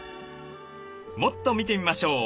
もっと見てみましょう。